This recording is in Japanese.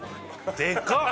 でかっ！